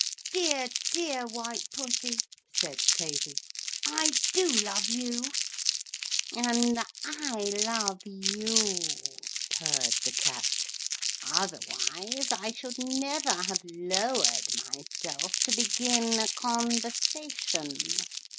'Dear, dear white pussy,' said Tavy, 'I do love you.' 'And I love you,' purred the Cat, 'otherwise I should never have lowered myself to begin a conversation.'